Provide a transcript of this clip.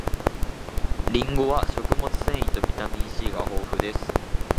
りんごは食物繊維とビタミン C が豊富です